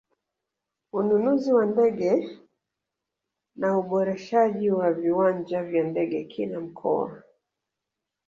Ununuzi wa ndege na uboreshaji wa viwanja vya ndege kila mkoa